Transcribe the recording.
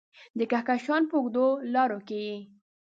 د کهکشان په اوږدو لارو کې یې